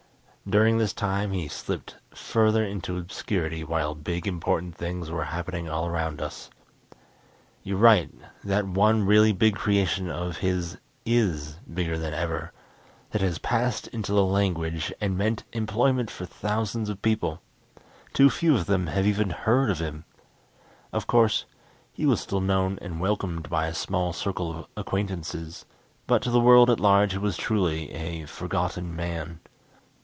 During this time he slipped further into obscurity while big, important things were happening all around us. You're right, that one really big creation of his is bigger than ever. It has passed into the language, and meant employment for thousands of people. Too few of them have even heard of him. Of course, he was still known and welcomed by a small circle of acquaintances, but to the world at large he was truly a "forgotten man."